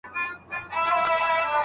خلګ به دا رواجونه نور ونه مني.